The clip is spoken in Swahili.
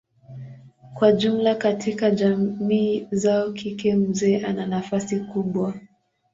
Kwa jumla katika jamii zao kike mzee ana nafasi kubwa.